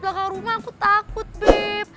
belakang rumah aku takut be